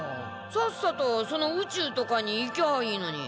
さっさとその宇宙とかに行きゃあいいのに。